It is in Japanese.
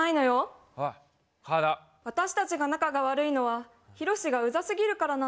・私たちが仲が悪いのはひろしがうざすぎるからなの。